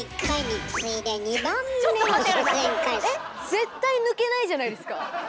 絶対抜けないじゃないですか。